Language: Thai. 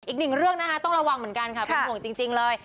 อีกหนึ่งเรื่องนะคะต้องระวังเหมือนกันค่ะเป็นห่วงจริงเลย